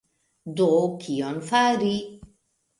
Do, kion fari?